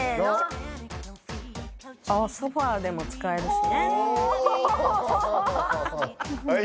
あっソファでも使えるしね。